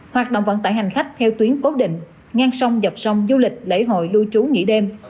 hoạt động vận tải hành khách theo tuyến cố định ngang sông dọc sông du lịch lễ hội lưu trú nghỉ đêm